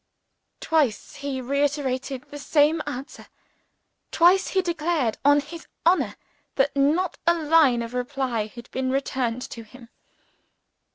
Twice he reiterated the same answer. Twice he declared on his honor that not a line of reply had been returned to him.